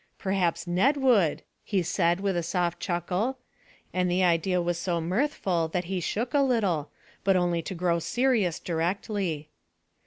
Perhaps Ned would," he added, with a soft chuckle; and the idea was so mirthful that he shook a little, but only to grow serious directly.